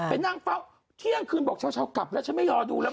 ไปนั่งเฝ้าเที่ยงคืนบอกเช้ากลับแล้วฉันไม่รอดูแล้ว